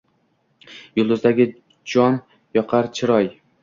Yulduzdagi jon yoqar chiroy.